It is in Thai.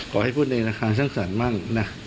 ขอให้พูดในจังห์สั่งสรรค์มาก